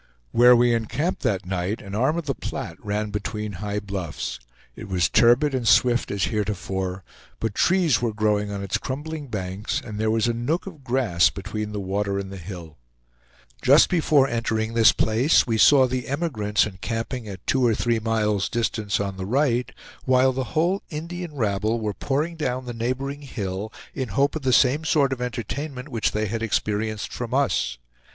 Where we encamped that night, an arm of the Platte ran between high bluffs; it was turbid and swift as heretofore, but trees were growing on its crumbling banks, and there was a nook of grass between the water and the hill. Just before entering this place, we saw the emigrants encamping at two or three miles' distance on the right; while the whole Indian rabble were pouring down the neighboring hill in hope of the same sort of entertainment which they had experienced from us.